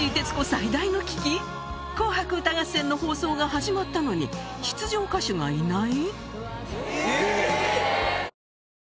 最大の危機⁉『紅白歌合戦』の放送が始まったのに出場歌手がいない？